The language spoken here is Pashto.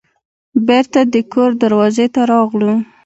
بیرته د کور دروازې ته راغلو.